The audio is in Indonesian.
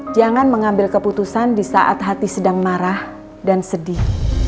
jangan mengambil keputusan di saat hati sedang marah dan sedih